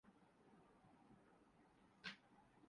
ہو چکا اب تو صف ماتم اٹھاد ینی چاہیے۔